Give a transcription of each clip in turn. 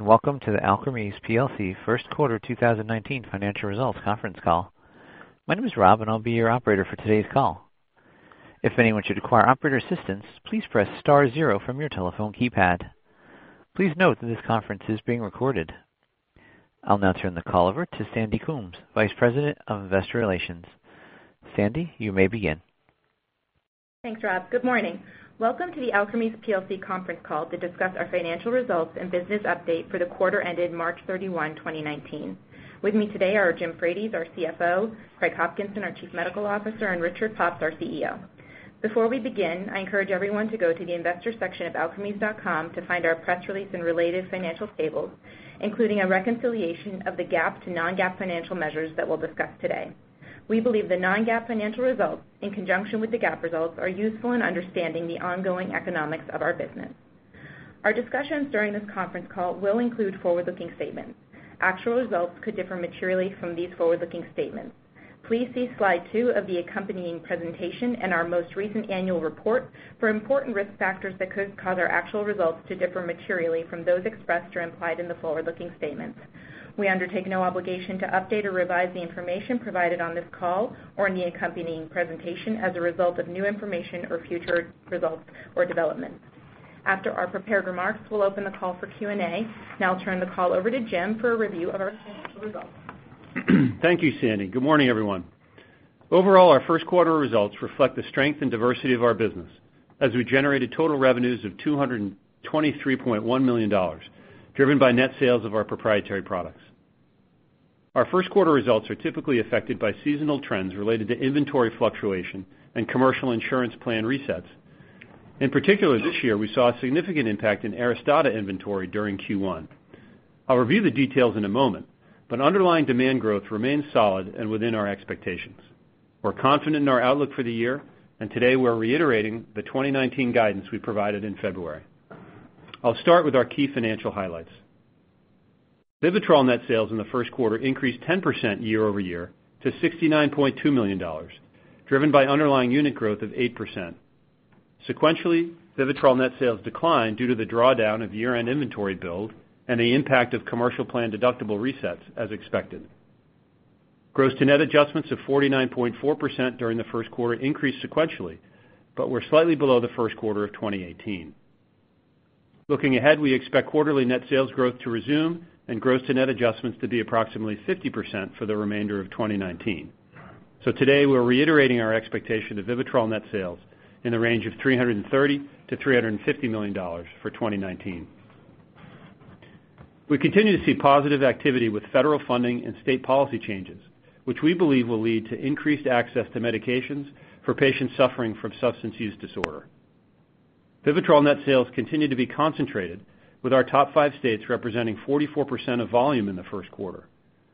Welcome to the Alkermes plc First Quarter 2019 Financial Results Conference Call. My name is Rob, and I'll be your operator for today's call. If anyone should require operator assistance, please press star zero from your telephone keypad. Please note that this conference is being recorded. I'll now turn the call over to Sandy Coombs, Vice President of Investor Relations. Sandy, you may begin. Thanks, Rob. Good morning. Welcome to the Alkermes plc conference call to discuss our financial results and business update for the quarter ended March 31, 2019. With me today are James Frates, our CFO, Craig Hopkinson, our Chief Medical Officer, and Richard Pops, our CEO. Before we begin, I encourage everyone to go to the Investors section of alkermes.com to find our press release and related financial tables, including a reconciliation of the GAAP to non-GAAP financial measures that we'll discuss today. We believe the non-GAAP financial results, in conjunction with the GAAP results, are useful in understanding the ongoing economics of our business. Our discussions during this conference call will include forward-looking statements. Actual results could differ materially from these forward-looking statements. Please see slide two of the accompanying presentation and our most recent annual report for important risk factors that could cause our actual results to differ materially from those expressed or implied in the forward-looking statements. We undertake no obligation to update or revise the information provided on this call or in the accompanying presentation as a result of new information or future results or developments. After our prepared remarks, we'll open the call for Q&A. Now I'll turn the call over to Jim for a review of our financial results. Thank you, Sandy. Good morning, everyone. Overall, our first quarter results reflect the strength and diversity of our business as we generated total revenues of $223.1 million, driven by net sales of our proprietary products. Our first quarter results are typically affected by seasonal trends related to inventory fluctuation and commercial insurance plan resets. In particular, this year, we saw a significant impact in ARISTADA inventory during Q1. I'll review the details in a moment, but underlying demand growth remains solid and within our expectations. We're confident in our outlook for the year, and today we're reiterating the 2019 guidance we provided in February. I'll start with our key financial highlights. VIVITROL net sales in the first quarter increased 10% year-over-year to $69.2 million, driven by underlying unit growth of 8%. Sequentially, VIVITROL net sales declined due to the drawdown of year-end inventory build and the impact of commercial plan deductible resets, as expected. Gross-to-net adjustments of 49.4% during the first quarter increased sequentially, but were slightly below the first quarter of 2018. Looking ahead, we expect quarterly net sales growth to resume and gross-to-net adjustments to be approximately 50% for the remainder of 2019. Today, we're reiterating our expectation of VIVITROL net sales in the range of $330 million-$350 million for 2019. We continue to see positive activity with federal funding and state policy changes, which we believe will lead to increased access to medications for patients suffering from substance use disorder. VIVITROL net sales continue to be concentrated with our top five states representing 44% of volume in the first quarter,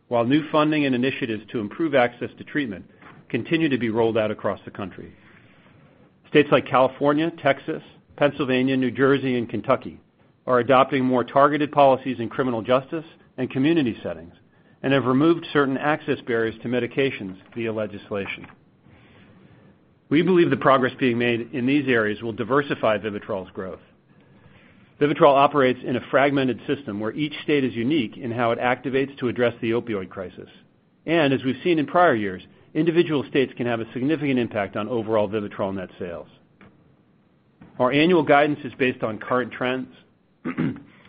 while new funding and initiatives to improve access to treatment continue to be rolled out across the country. States like California, Texas, Pennsylvania, New Jersey, and Kentucky are adopting more targeted policies in criminal justice and community settings and have removed certain access barriers to medications via legislation. We believe the progress being made in these areas will diversify VIVITROL's growth. VIVITROL operates in a fragmented system where each state is unique in how it activates to address the opioid crisis. As we've seen in prior years, individual states can have a significant impact on overall VIVITROL net sales. Our annual guidance is based on current trends.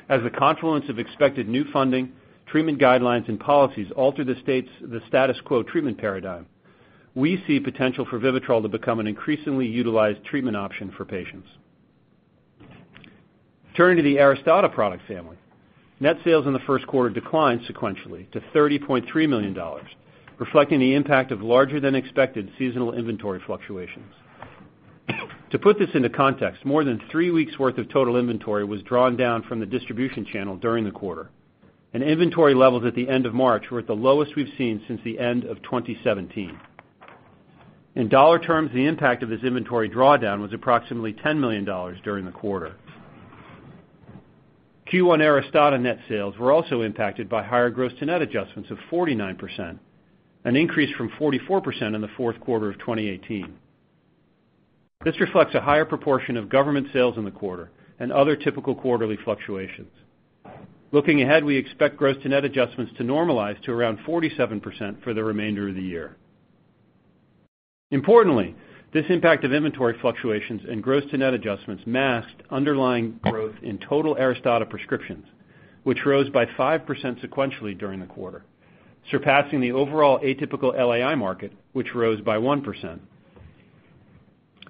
As the confluence of expected new funding, treatment guidelines, and policies alter the status quo treatment paradigm, we see potential for VIVITROL to become an increasingly utilized treatment option for patients. Turning to the ARISTADA product family, net sales in the first quarter declined sequentially to $30.3 million, reflecting the impact of larger than expected seasonal inventory fluctuations. To put this into context, more than three weeks worth of total inventory was drawn down from the distribution channel during the quarter, and inventory levels at the end of March were at the lowest we've seen since the end of 2017. In dollar terms, the impact of this inventory drawdown was approximately $10 million during the quarter. Q1 ARISTADA net sales were also impacted by higher gross-to-net adjustments of 49%, an increase from 44% in the fourth quarter of 2018. This reflects a higher proportion of government sales in the quarter and other typical quarterly fluctuations. Looking ahead, we expect gross-to-net adjustments to normalize to around 47% for the remainder of the year. Importantly, this impact of inventory fluctuations and gross-to-net adjustments masked underlying growth in total ARISTADA prescriptions, which rose by 5% sequentially during the quarter, surpassing the overall atypical LAI market, which rose by 1%.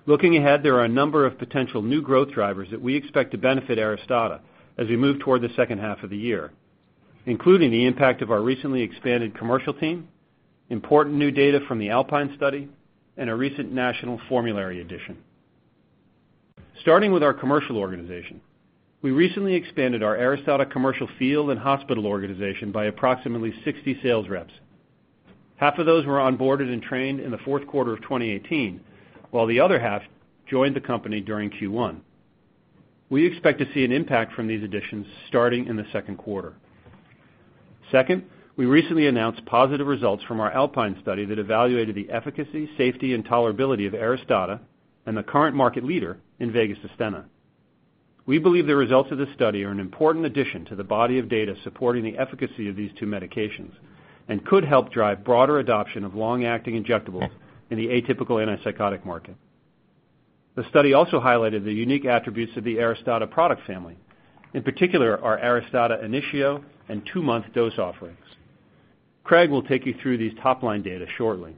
Looking ahead, there are a number of potential new growth drivers that we expect to benefit ARISTADA as we move toward the second half of the year, including the impact of our recently expanded commercial team, important new data from the ALPINE study, and a recent national formulary addition. Starting with our commercial organization, we recently expanded our ARISTADA commercial field and hospital organization by approximately 60 sales reps. Half of those were onboarded and trained in the fourth quarter of 2018, while the other half joined the company during Q1. We expect to see an impact from these additions starting in the second quarter. Second, we recently announced positive results from our ALPINE study that evaluated the efficacy, safety, and tolerability of ARISTADA and the current market leader, INVEGA SUSTENNA. We believe the results of this study are an important addition to the body of data supporting the efficacy of these two medications and could help drive broader adoption of long-acting injectables in the atypical antipsychotic market. The study also highlighted the unique attributes of the ARISTADA product family, in particular our ARISTADA INITIO and two-month dose offerings. Craig will take you through these top-line data shortly.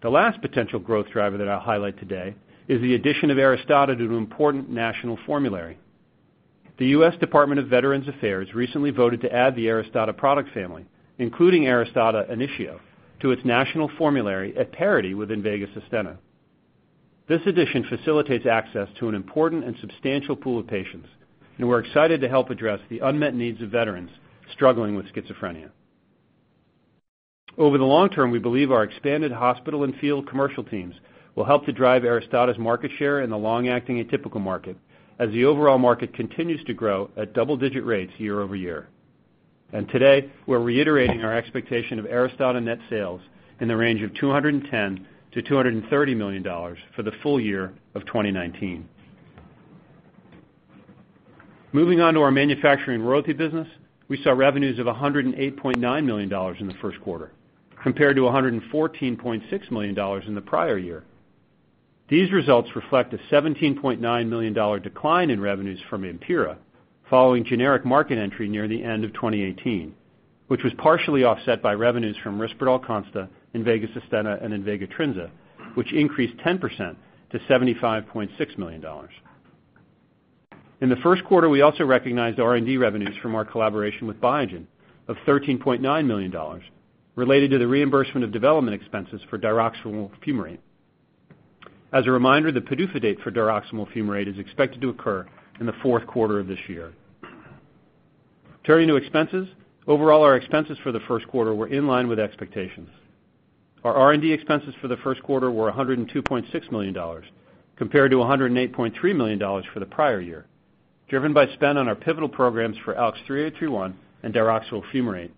The last potential growth driver that I'll highlight today is the addition of ARISTADA to an important national formulary. The U.S. Department of Veterans Affairs recently voted to add the ARISTADA product family, including ARISTADA INITIO, to its national formulary at parity with INVEGA SUSTENNA. This addition facilitates access to an important and substantial pool of patients, and we're excited to help address the unmet needs of veterans struggling with schizophrenia. Over the long term, we believe our expanded hospital and field commercial teams will help to drive ARISTADA's market share in the long-acting atypical market as the overall market continues to grow at double-digit rates year-over-year. Today, we're reiterating our expectation of ARISTADA net sales in the range of $210 million-$230 million for the full year of 2019. Moving on to our manufacturing royalty business. We saw revenues of $108.9 million in the first quarter compared to $114.6 million in the prior year. These results reflect a $17.9 million decline in revenues from AMPYRA following generic market entry near the end of 2018, which was partially offset by revenues from RISPERDAL CONSTA, INVEGA SUSTENNA, and INVEGA TRINZA, which increased 10% to $75.6 million. In the first quarter, we also recognized R&D revenues from our collaboration with Biogen of $13.9 million related to the reimbursement of development expenses for diroximel fumarate. As a reminder, the PDUFA date for diroximel fumarate is expected to occur in the fourth quarter of this year. Turning to expenses. Overall, our expenses for the first quarter were in line with expectations. Our R&D expenses for the first quarter were $102.6 million compared to $108.3 million for the prior year, driven by spend on our pivotal programs for ALKS 3831 and diroximel fumarate,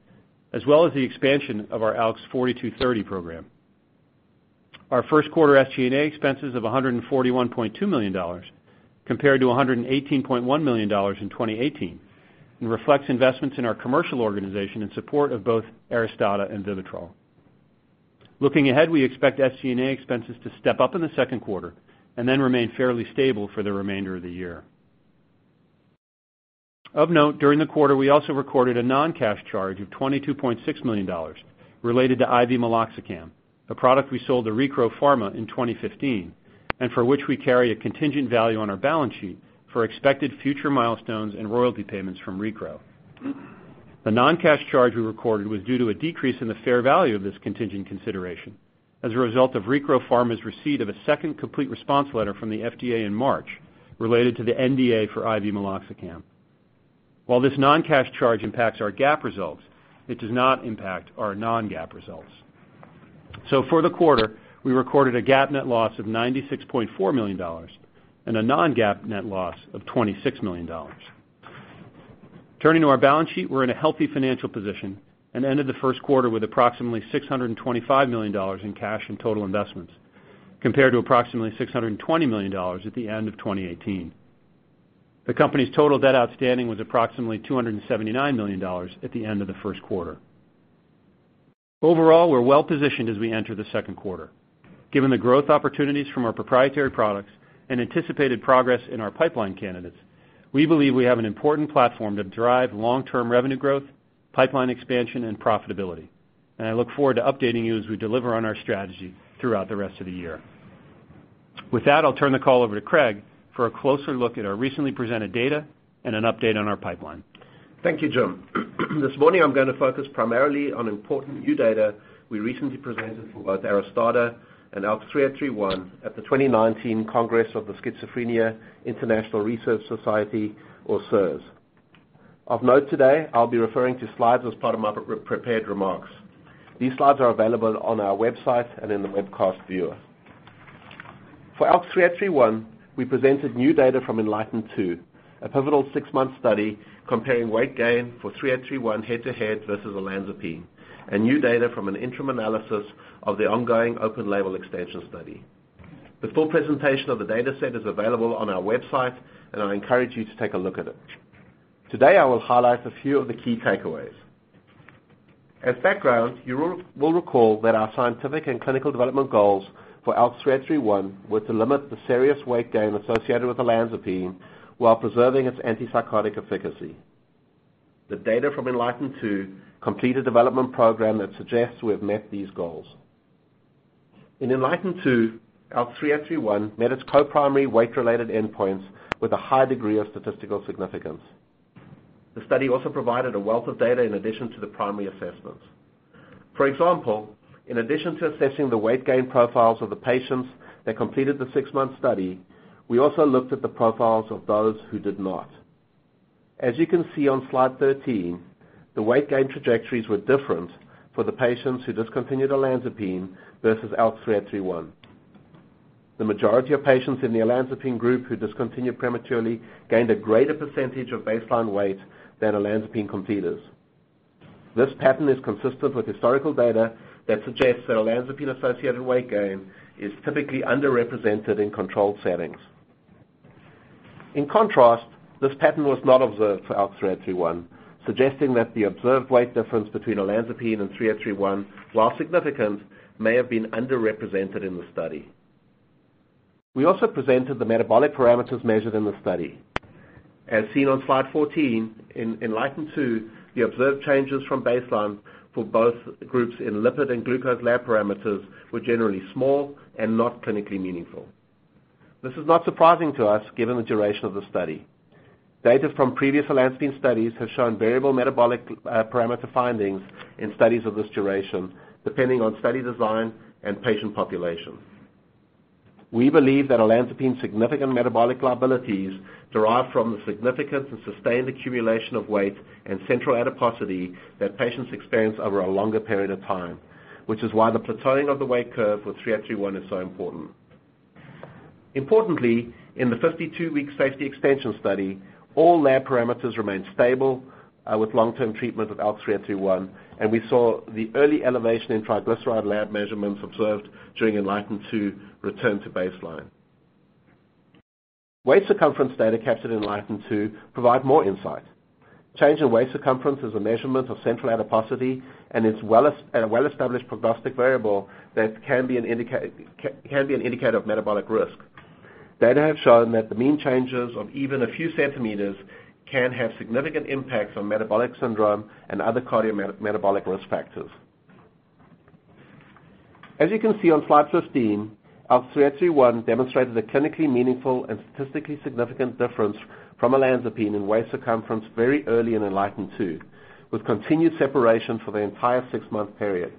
as well as the expansion of our ALKS 4230 program. Our first quarter SG&A expenses of $141.2 million compared to $118.1 million in 2018 and reflects investments in our commercial organization in support of both ARISTADA and VIVITROL. Looking ahead, we expect SG&A expenses to step up in the second quarter and then remain fairly stable for the remainder of the year. Of note, during the quarter, we also recorded a non-cash charge of $22.6 million related to IV meloxicam, a product we sold to Recro Pharma in 2015, and for which we carry a contingent value on our balance sheet for expected future milestones and royalty payments from Recro. The non-cash charge we recorded was due to a decrease in the fair value of this contingent consideration as a result of Recro Pharma's receipt of a second complete response letter from the FDA in March related to the NDA for IV meloxicam. While this non-cash charge impacts our GAAP results, it does not impact our non-GAAP results. For the quarter, we recorded a GAAP net loss of $96.4 million and a non-GAAP net loss of $26 million. Turning to our balance sheet, we're in a healthy financial position and ended the first quarter with approximately $625 million in cash and total investments, compared to approximately $620 million at the end of 2018. The company's total debt outstanding was approximately $279 million at the end of the first quarter. Overall, we're well-positioned as we enter the second quarter. Given the growth opportunities from our proprietary products and anticipated progress in our pipeline candidates, we believe we have an important platform to drive long-term revenue growth, pipeline expansion, and profitability. I look forward to updating you as we deliver on our strategy throughout the rest of the year. With that, I'll turn the call over to Craig for a closer look at our recently presented data and an update on our pipeline. Thank you, Jim. This morning I'm going to focus primarily on important new data we recently presented for both ARISTADA and ALKS 3831 at the 2019 Congress of the Schizophrenia International Research Society, or SIRS. Of note today, I'll be referring to slides as part of my prepared remarks. These slides are available on our website and in the webcast view. For ALKS 3831, we presented new data from ENLIGHTEN-2, a pivotal six-month study comparing weight gain for 3831 head-to-head versus olanzapine and new data from an interim analysis of the ongoing open label extension study. The full presentation of the data set is available on our website, I encourage you to take a look at it. Today, I will highlight a few of the key takeaways. As background, you will recall that our scientific and clinical development goals for ALKS 3831 were to limit the serious weight gain associated with olanzapine while preserving its antipsychotic efficacy. The data from ENLIGHTEN-2 complete a development program that suggests we have met these goals. In ENLIGHTEN-2, ALKS 3831 met its co-primary weight-related endpoints with a high degree of statistical significance. The study also provided a wealth of data in addition to the primary assessments. For example, in addition to assessing the weight gain profiles of the patients that completed the six-month study, we also looked at the profiles of those who did not. As you can see on slide 13, the weight gain trajectories were different for the patients who discontinued olanzapine versus ALKS 3831. The majority of patients in the olanzapine group who discontinued prematurely gained a greater percentage of baseline weight than olanzapine completers. This pattern is consistent with historical data that suggests that olanzapine-associated weight gain is typically underrepresented in controlled settings. In contrast, this pattern was not observed for ALKS 3831, suggesting that the observed weight difference between olanzapine and 3831, while significant, may have been underrepresented in the study. We also presented the metabolic parameters measured in the study. As seen on slide 14, in ENLIGHTEN-2, the observed changes from baseline for both groups in lipid and glucose lab parameters were generally small and not clinically meaningful. This is not surprising to us given the duration of the study. Data from previous olanzapine studies have shown variable metabolic parameter findings in studies of this duration, depending on study design and patient population. We believe that olanzapine's significant metabolic liabilities derive from the significant and sustained accumulation of weight and central adiposity that patients experience over a longer period of time, which is why the plateauing of the weight curve with 3831 is so important. Importantly, in the 52-week safety extension study, all lab parameters remained stable with long-term treatment with ALKS 3831, and we saw the early elevation in triglyceride lab measurements observed during ENLIGHTEN-2 return to baseline. Waist circumference data captured in ENLIGHTEN-2 provide more insight. Change in waist circumference is a measurement of central adiposity and is a well-established prognostic variable that can be an indicator of metabolic risk. Data have shown that the mean changes of even a few centimeters can have significant impacts on metabolic syndrome and other cardiometabolic risk factors. As you can see on slide 15, ALKS 3831 demonstrated a clinically meaningful and statistically significant difference from olanzapine in waist circumference very early in ENLIGHTEN-2, with continued separation for the entire six-month period.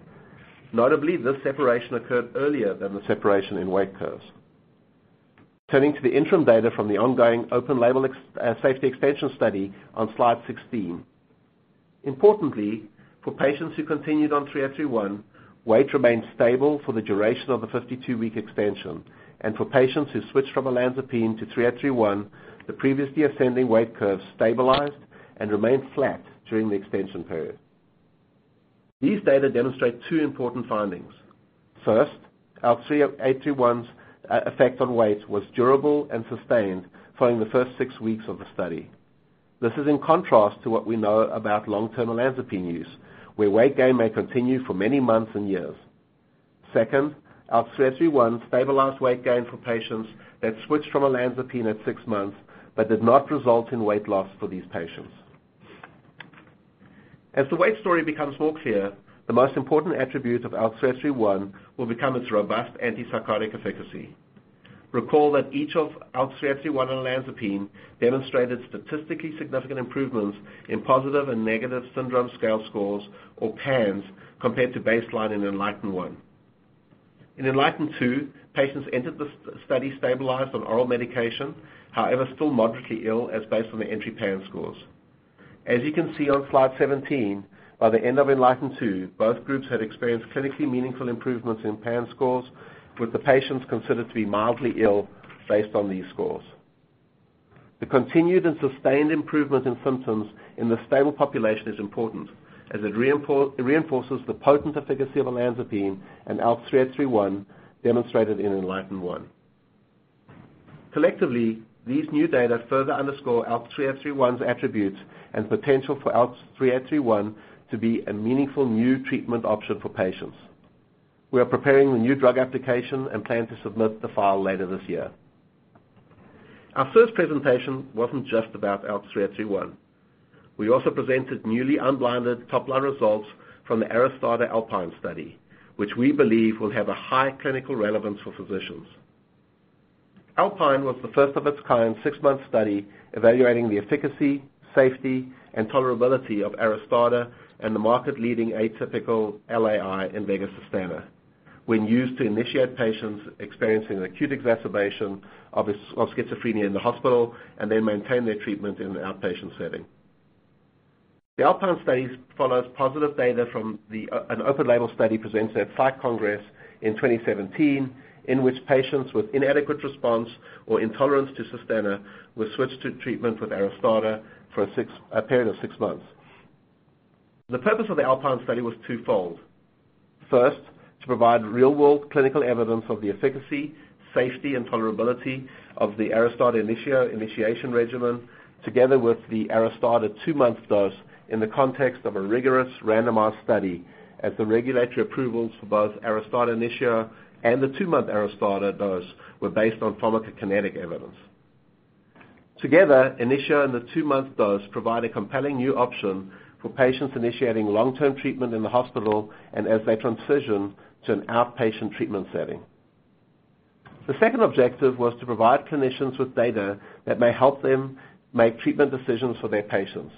Notably, this separation occurred earlier than the separation in weight curves. Turning to the interim data from the ongoing open label safety expansion study on slide 16. Importantly, for patients who continued on 3831, weight remained stable for the duration of the 52-week extension, and for patients who switched from olanzapine to 3831, the previously ascending weight curves stabilized and remained flat during the extension period. These data demonstrate two important findings. First, ALKS 3831's effect on weight was durable and sustained following the first six weeks of the study. This is in contrast to what we know about long-term olanzapine use, where weight gain may continue for many months and years. Second, ALKS 3831 stabilized weight gain for patients that switched from olanzapine at six months but did not result in weight loss for these patients. As the weight story becomes more clear, the most important attribute of ALKS 3831 will become its robust antipsychotic efficacy. Recall that each of ALKS 3831 and olanzapine demonstrated statistically significant improvements in positive and negative syndrome scale scores or PANSS compared to baseline in ENLIGHTEN-1. In ENLIGHTEN-2, patients entered the study stabilized on oral medication, however, still moderately ill as based on the entry PANSS scores. As you can see on slide 17, by the end of ENLIGHTEN-2, both groups had experienced clinically meaningful improvements in PANSS scores, with the patients considered to be mildly ill based on these scores. The continued and sustained improvement in symptoms in this stable population is important, as it reinforces the potent efficacy of olanzapine and ALKS 3831 demonstrated in ENLIGHTEN-1. Collectively, these new data further underscore ALKS 3831's attributes and potential for ALKS 3831 to be a meaningful new treatment option for patients. We are preparing the new drug application and plan to submit the file later this year. Our first presentation wasn't just about ALKS 3831. We also presented newly unblinded top-line results from the ARISTADA ALPINE study, which we believe will have a high clinical relevance for physicians. ALPINE was the first-of-its-kind six-month study evaluating the efficacy, safety, and tolerability of ARISTADA and the market-leading atypical LAI INVEGA SUSTENNA when used to initiate patients experiencing an acute exacerbation of schizophrenia in the hospital and then maintain their treatment in an outpatient setting. The ALPINE study follows positive data from an open-label study presented at Psych Congress in 2017, in which patients with inadequate response or intolerance to Sustenna were switched to treatment with ARISTADA for a period of six months. The purpose of the ALPINE study was twofold. First, to provide real-world clinical evidence of the efficacy, safety, and tolerability of the ARISTADA INITIO initiation regimen, together with the ARISTADA two-month dose in the context of a rigorous randomized study as the regulatory approvals for both ARISTADA INITIO and the two-month ARISTADA dose were based on pharmacokinetic evidence. Together, INITIO and the two-month dose provide a compelling new option for patients initiating long-term treatment in the hospital and as they transition to an outpatient treatment setting. The second objective was to provide clinicians with data that may help them make treatment decisions for their patients.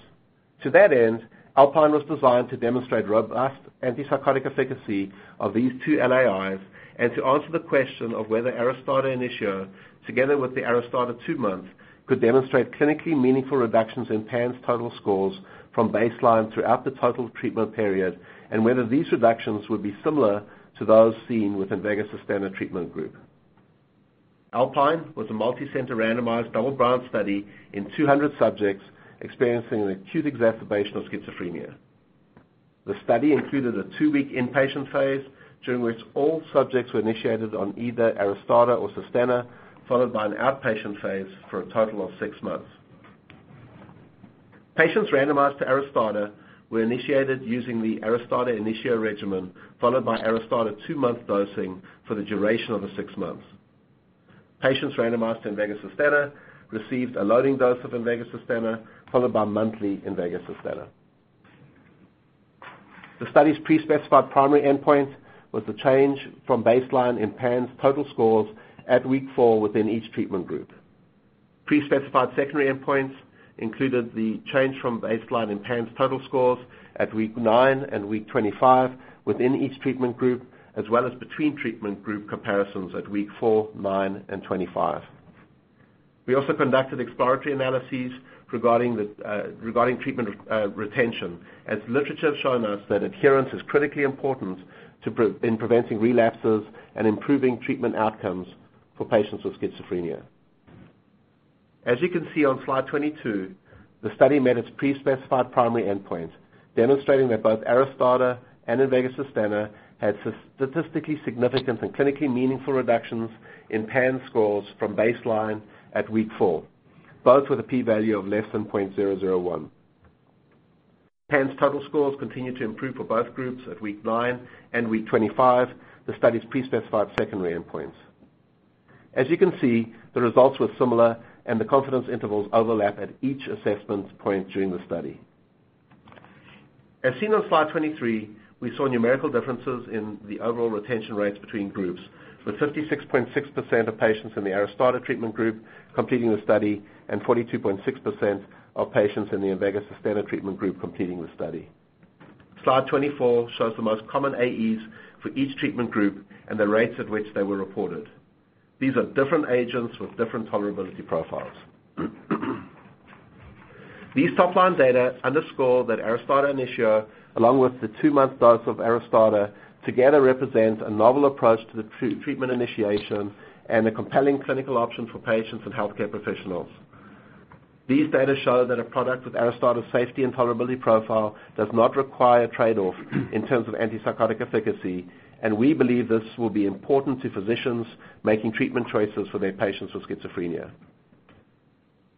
To that end, ALPINE was designed to demonstrate robust antipsychotic efficacy of these two LAIs and to answer the question of whether ARISTADA INITIO, together with the ARISTADA two-month, could demonstrate clinically meaningful reductions in PANSS total scores from baseline throughout the total treatment period, and whether these reductions would be similar to those seen with INVEGA SUSTENNA treatment group. ALPINE was a multicenter randomized double-blind study in 200 subjects experiencing an acute exacerbation of schizophrenia. The study included a two-week inpatient phase during which all subjects were initiated on either ARISTADA or Sustenna, followed by an outpatient phase for a total of six months. Patients randomized to ARISTADA were initiated using the ARISTADA INITIO regimen, followed by ARISTADA two-month dosing for the duration of the six months. Patients randomized to INVEGA SUSTENNA received a loading dose of INVEGA SUSTENNA, followed by monthly INVEGA SUSTENNA. The study's pre-specified primary endpoint was the change from baseline in PANSS total scores at week four within each treatment group. Pre-specified secondary endpoints included the change from baseline in PANSS total scores at week nine and week 25 within each treatment group, as well as between-treatment group comparisons at week four, nine, and 25. We also conducted exploratory analyses regarding treatment retention, as literature has shown us that adherence is critically important in preventing relapses and improving treatment outcomes for patients with schizophrenia. As you can see on slide 22, the study met its pre-specified primary endpoint, demonstrating that both ARISTADA and INVEGA SUSTENNA had statistically significant and clinically meaningful reductions in PANSS scores from baseline at week four, both with a P value of less than 0.001. PANSS total scores continued to improve for both groups at week nine and week 25, the study's pre-specified secondary endpoints. As you can see, the results were similar, and the confidence intervals overlap at each assessment point during the study. As seen on slide 23, we saw numerical differences in the overall retention rates between groups, with 56.6% of patients in the ARISTADA treatment group completing the study and 42.6% of patients in the INVEGA SUSTENNA treatment group completing the study. Slide 24 shows the most common AEs for each treatment group and the rates at which they were reported. These are different agents with different tolerability profiles. These top-line data underscore that ARISTADA INITIO, along with the two-month dose of ARISTADA, together represent a novel approach to the treatment initiation and a compelling clinical option for patients and healthcare professionals. These data show that a product with ARISTADA's safety and tolerability profile does not require trade-off in terms of antipsychotic efficacy, and we believe this will be important to physicians making treatment choices for their patients with schizophrenia.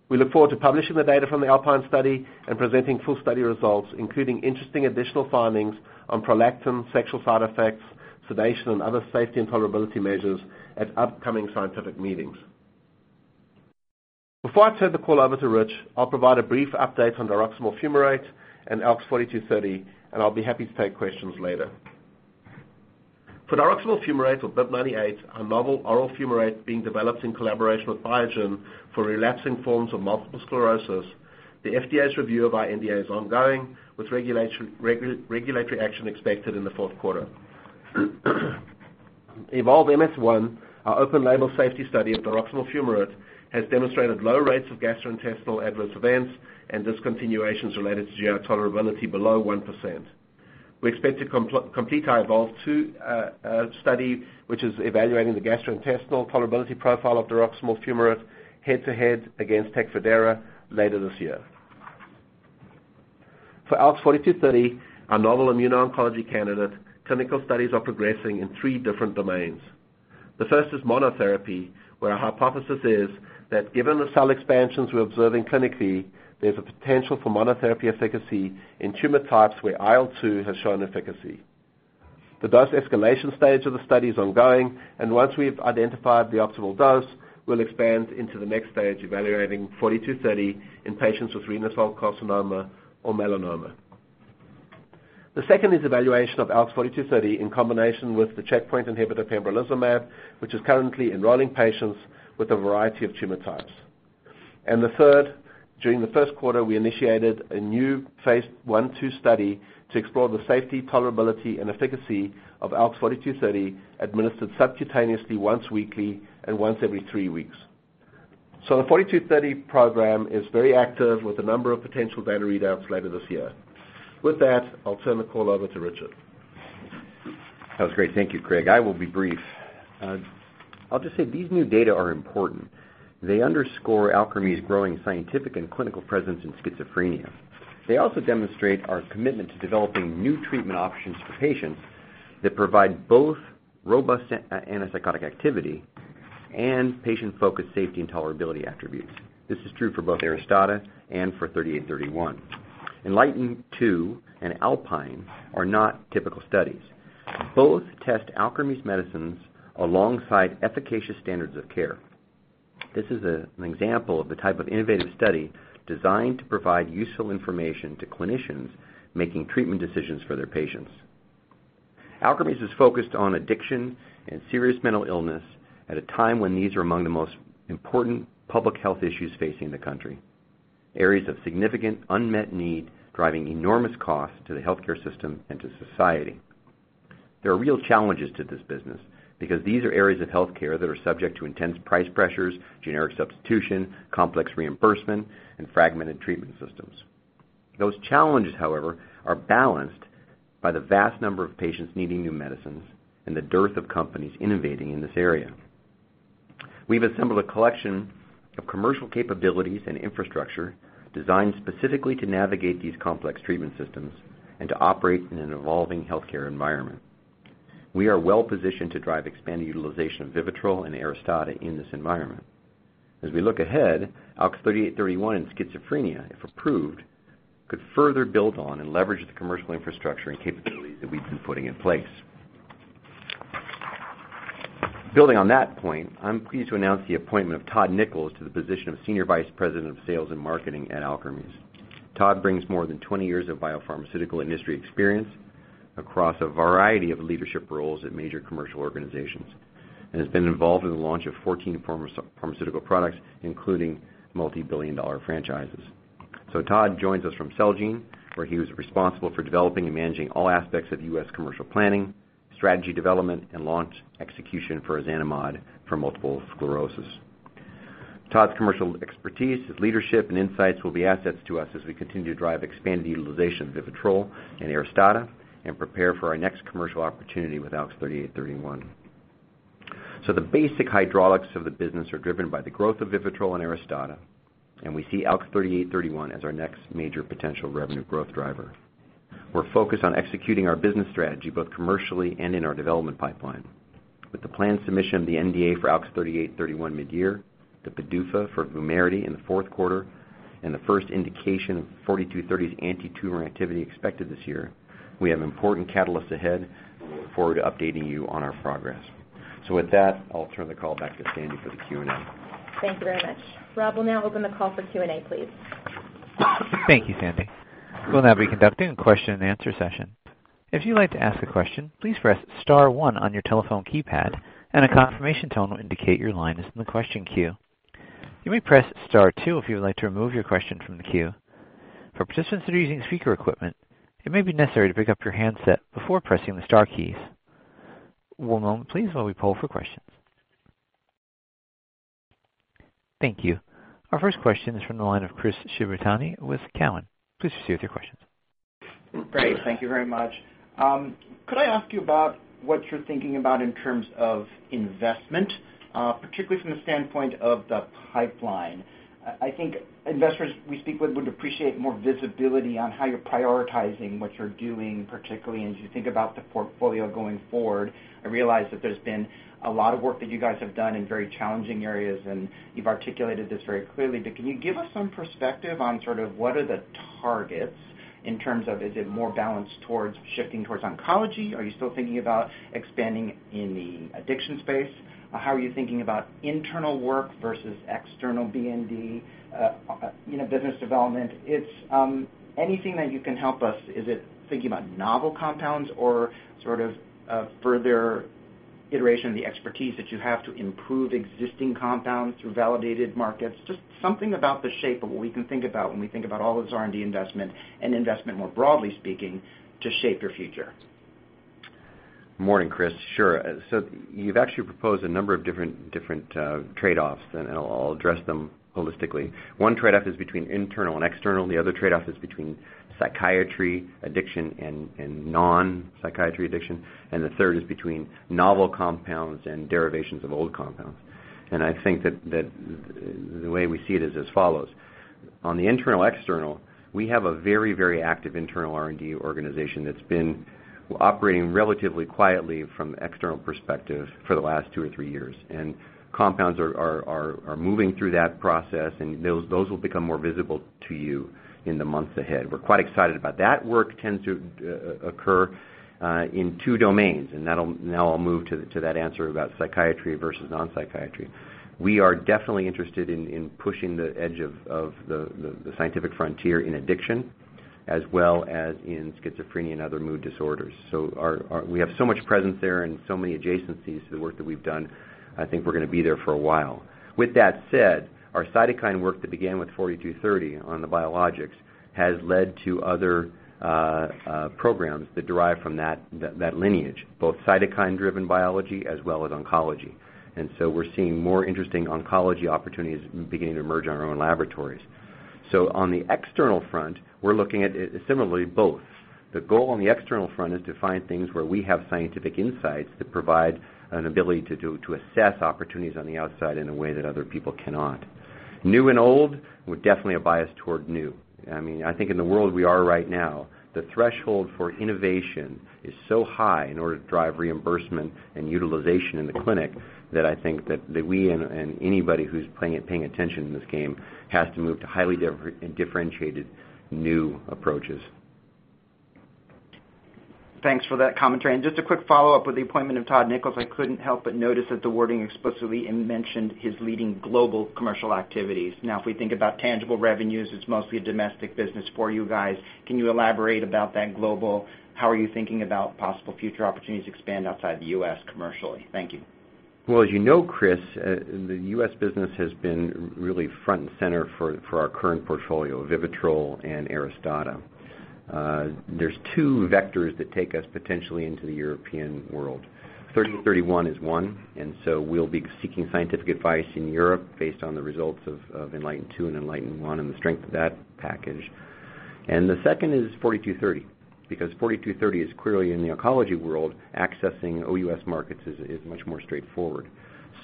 We look forward to publishing the data from the ALPINE study and presenting full study results, including interesting additional findings on prolactin, sexual side effects, sedation, and other safety and tolerability measures at upcoming scientific meetings. Before I turn the call over to Rich, I'll provide a brief update on diroximel fumarate and ALK 4230, and I'll be happy to take questions later. For diroximel fumarate or BIIB098, a novel oral fumarate being developed in collaboration with Biogen for relapsing forms of multiple sclerosis, the FDA's review of our NDA is ongoing, with regulatory action expected in the fourth quarter. EVOLVE-MS-1, our open label safety study of diroximel fumarate, has demonstrated low rates of gastrointestinal adverse events and discontinuations related to GI tolerability below 1%. We expect to complete our EVOLVE-MS-2 study, which is evaluating the gastrointestinal tolerability profile of diroximel fumarate head-to-head against TECFIDERA later this year. For ALK-4230, our novel immuno-oncology candidate, clinical studies are progressing in three different domains. The first is monotherapy, where our hypothesis is that given the cell expansions we're observing clinically, there's a potential for monotherapy efficacy in tumor types where IL-2 has shown efficacy. The dose escalation stage of the study is ongoing, and once we've identified the optimal dose, we'll expand into the next stage, evaluating 4230 in patients with renal cell carcinoma or melanoma. The second is evaluation of ALK-4230 in combination with the checkpoint inhibitor pembrolizumab, which is currently enrolling patients with a variety of tumor types. The third, during the first quarter, we initiated a new phase I/II study to explore the safety, tolerability, and efficacy of ALK-4230 administered subcutaneously once weekly and once every three weeks. The 4230 program is very active with a number of potential data readouts later this year. With that, I'll turn the call over to Richard. That was great. Thank you, Craig. I will be brief. I'll just say these new data are important. They underscore Alkermes' growing scientific and clinical presence in schizophrenia. They also demonstrate our commitment to developing new treatment options for patients that provide both robust antipsychotic activity and patient-focused safety and tolerability attributes. This is true for both ARISTADA and for ALKS 3831. ENLIGHTEN-2 and ALPINE are not typical studies. Both test Alkermes medicines alongside efficacious standards of care. This is an example of the type of innovative study designed to provide useful information to clinicians making treatment decisions for their patients. Alkermes is focused on addiction and serious mental illness at a time when these are among the most important public health issues facing the country, areas of significant unmet need, driving enormous cost to the healthcare system and to society. There are real challenges to this business because these are areas of healthcare that are subject to intense price pressures, generic substitution, complex reimbursement, and fragmented treatment systems. Those challenges, however, are balanced by the vast number of patients needing new medicines and the dearth of companies innovating in this area. We've assembled a collection of commercial capabilities and infrastructure designed specifically to navigate these complex treatment systems and to operate in an evolving healthcare environment. We are well-positioned to drive expanded utilization of VIVITROL and ARISTADA in this environment. As we look ahead, ALKS 3831 in schizophrenia, if approved, could further build on and leverage the commercial infrastructure and capabilities that we've been putting in place. Building on that point, I'm pleased to announce the appointment of Todd Nichols to the position of Senior Vice President of Sales and Marketing at Alkermes. Todd brings more than 20 years of biopharmaceutical industry experience across a variety of leadership roles at major commercial organizations, and has been involved in the launch of 14 pharmaceutical products, including multibillion-dollar franchises. Todd joins us from Celgene, where he was responsible for developing and managing all aspects of U.S. commercial planning, strategy development, and launch execution for ozanimod for multiple sclerosis. Todd's commercial expertise, his leadership, and insights will be assets to us as we continue to drive expanded utilization of VIVITROL and ARISTADA and prepare for our next commercial opportunity with ALKS 3831. The basic hydraulics of the business are driven by the growth of VIVITROL and ARISTADA, and we see ALKS 3831 as our next major potential revenue growth driver. We're focused on executing our business strategy, both commercially and in our development pipeline. With the planned submission of the NDA for ALKS 3831 midyear, the PDUFA for VUMERITY in the fourth quarter, and the first indication of 4230's antitumor activity expected this year, we have important catalysts ahead, and we look forward to updating you on our progress. With that, I'll turn the call back to Sandy for the Q&A. Thank you very much. Rob, we'll now open the call for Q&A, please. Thank you, Sandy. We'll now be conducting a question and answer session. If you'd like to ask a question, please press *1 on your telephone keypad, and a confirmation tone will indicate your line is in the question queue. You may press *2 if you would like to remove your question from the queue. For participants that are using speaker equipment, it may be necessary to pick up your handset before pressing the star keys. One moment please while we poll for questions. Thank you. Our first question is from the line of Chris Shibutani with Cowen. Please proceed with your questions. Great. Thank you very much. Could I ask you about what you're thinking about in terms of investment, particularly from the standpoint of the pipeline? I think investors we speak with would appreciate more visibility on how you're prioritizing what you're doing, particularly as you think about the portfolio going forward. I realize that there's been a lot of work that you guys have done in very challenging areas, and you've articulated this very clearly. Can you give us some perspective on sort of what are the targets in terms of, is it more balanced towards shifting towards oncology? Are you still thinking about expanding in the addiction space? How are you thinking about internal work versus external BD, business development? Anything that you can help us. Is it thinking about novel compounds or sort of a further iteration of the expertise that you have to improve existing compounds through validated markets? Just something about the shape of what we can think about when we think about all this R&D investment and investment more broadly speaking to shape your future. Morning, Chris. Sure. You've actually proposed a number of different trade-offs, and I'll address them holistically. One trade-off is between internal and external. The other trade-off is between psychiatry addiction and non-psychiatry addiction, and the third is between novel compounds and derivations of old compounds. I think that the way we see it is as follows. On the internal/external, we have a very active internal R&D organization that's been operating relatively quietly from external perspective for the last two or three years. Compounds are moving through that process, and those will become more visible to you in the months ahead. We're quite excited about that. Work tends to occur in two domains, and now I'll move to that answer about psychiatry versus non-psychiatry. We are definitely interested in pushing the edge of the scientific frontier in addiction, as well as in schizophrenia and other mood disorders. We have so much presence there and so many adjacencies to the work that we've done, I think we're going to be there for a while. With that said, our cytokine work that began with 4230 on the biologics has led to other programs that derive from that lineage, both cytokine-driven biology as well as oncology. We're seeing more interesting oncology opportunities beginning to emerge in our own laboratories. On the external front, we're looking at similarly both. The goal on the external front is to find things where we have scientific insights that provide an ability to assess opportunities on the outside in a way that other people cannot. New and old, with definitely a bias toward new. I think in the world we are right now, the threshold for innovation is so high in order to drive reimbursement and utilization in the clinic that I think that we and anybody who's paying attention in this game has to move to highly differentiated new approaches. Thanks for that commentary. Just a quick follow-up with the appointment of Todd Nichols. I couldn't help but notice that the wording explicitly mentioned his leading global commercial activities. Now, if we think about tangible revenues, it's mostly a domestic business for you guys. Can you elaborate about that global? How are you thinking about possible future opportunities to expand outside the U.S. commercially? Thank you. Well, as you know, Chris, the U.S. business has been really front and center for our current portfolio, VIVITROL and ARISTADA. There's two vectors that take us potentially into the European world. 3031 is one, and we'll be seeking scientific advice in Europe based on the results of ENLIGHTEN-2 and ENLIGHTEN-1 and the strength of that package. The second is 4230, because 4230 is clearly in the oncology world, accessing OUS markets is much more straightforward.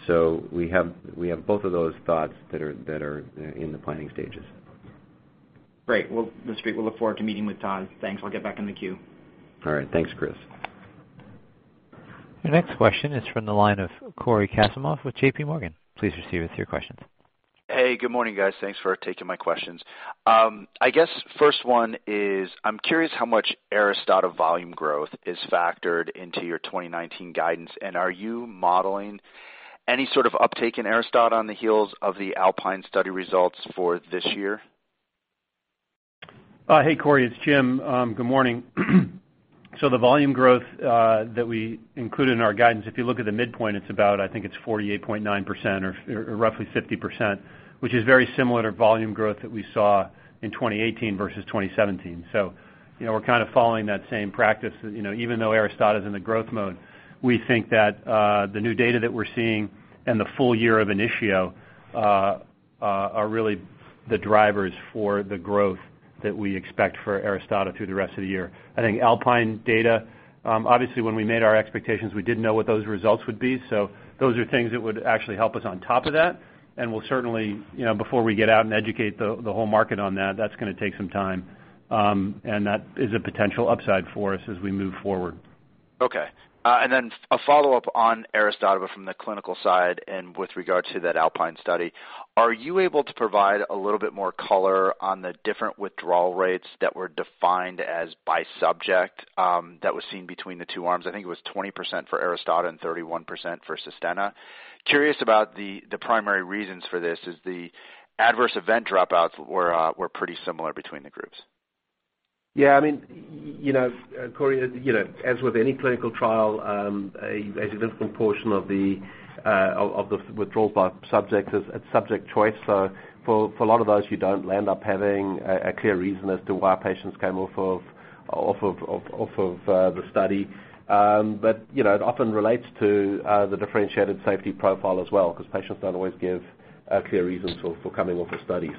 We have both of those thoughts that are in the planning stages. Great. Well, listen, we look forward to meeting with Todd. Thanks. I'll get back in the queue. All right. Thanks, Chris. Your next question is from the line of Cory Kasimov with J.P. Morgan. Please proceed with your questions. Hey, good morning, guys. Thanks for taking my questions. I guess first one is, I'm curious how much ARISTADA volume growth is factored into your 2019 guidance, and are you modeling any sort of uptake in ARISTADA on the heels of the ALPINE study results for this year? Hey, Cory, it's Jim. Good morning. The volume growth that we included in our guidance, if you look at the midpoint, it's about, I think it's 48.9% or roughly 50%, which is very similar to volume growth that we saw in 2018 versus 2017. We're kind of following that same practice. Even though ARISTADA's in the growth mode, we think that the new data that we're seeing and the full year of INITIO are really the drivers for the growth that we expect for ARISTADA through the rest of the year. I think ALPINE data, obviously when we made our expectations, we didn't know what those results would be. Those are things that would actually help us on top of that, and we'll certainly, before we get out and educate the whole market on that's going to take some time. That is a potential upside for us as we move forward. Okay. A follow-up on ARISTADA, but from the clinical side and with regard to that ALPINE study. Are you able to provide a little bit more color on the different withdrawal rates that were defined as by subject that was seen between the two arms? I think it was 20% for ARISTADA and 31% for SustenNA. Curious about the primary reasons for this as the adverse event dropouts were pretty similar between the groups. Yeah, Cory, as with any clinical trial a significant portion of the withdrawals by subject is subject choice. For a lot of those, you don't land up having a clear reason as to why patients came off of the study. It often relates to the differentiated safety profile as well, because patients don't always give clear reasons for coming off a study.